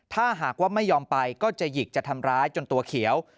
ถ้าหากว่าไม่ยอมไปก็จะหยิกจะทำร้ายจนตัวเขียว